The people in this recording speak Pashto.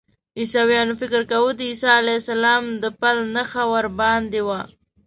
عیسویانو فکر کاوه د عیسی علیه السلام د پل نښه ورباندې وه.